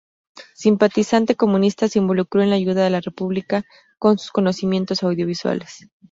Simpatizante comunista, se involucró en la ayuda a la República con sus conocimientos audiovisuales.